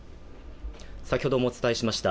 先ほどもお伝えしました。